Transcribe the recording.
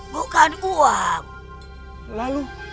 bukan uang lalu